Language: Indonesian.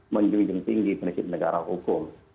menjuji yang tinggi prinsip negara hukum